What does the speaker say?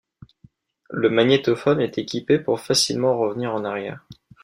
Le magnétophone est équipé pour facilement revenir en arrière.